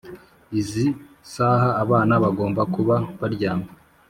izi saha abana bagomba kuba baryamye